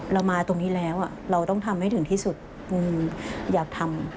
เรามาตรงนี้แล้วเราต้องทำให้ถึงที่สุดอยากทำ